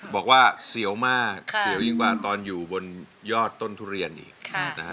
บอกว่าเสียวมากเสียวยิ่งกว่าตอนอยู่บนยอดต้นทุเรียนอีกนะฮะ